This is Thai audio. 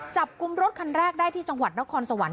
จับกลุ่มรถคันแรกได้ที่จังหวัดนครสวรรค